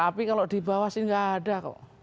bara api kalau di bawah sih nggak ada kok